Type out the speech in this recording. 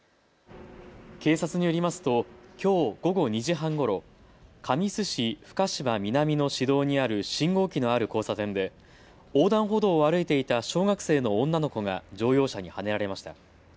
警察によりますときょう午後２時半ごろ神栖市深芝南の市道にある信号機のある交差点で横断歩道を歩いていた小学生の女の子が乗用車にはねられました。